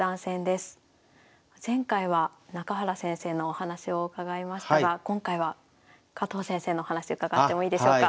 前回は中原先生のお話を伺いましたが今回は加藤先生のお話伺ってもいいでしょうか？